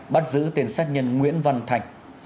bắt giữ tên sát nhân nguyễn văn thành